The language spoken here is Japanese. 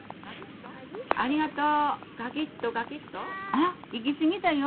あっいきすぎたよ。